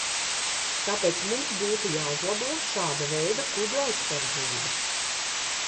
Tāpēc mums būtu jāuzlabo šāda veida kuģu aizsardzība.